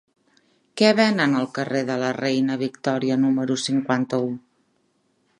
Què venen al carrer de la Reina Victòria número cinquanta-u?